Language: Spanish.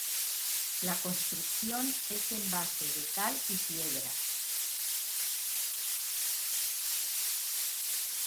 La construcción es en base de cal y piedra.